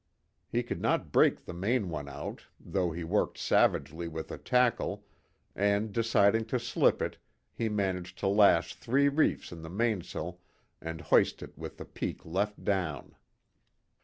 He could not break the main one out, though he worked savagely with a tackle, and deciding to slip it, he managed to lash three reefs in the mainsail and hoist it with the peak left down.